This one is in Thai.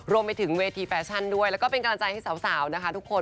รวมไปถึงเวทีแฟชั่นด้วยแล้วก็เป็นกำลังใจให้สาวนะคะทุกคน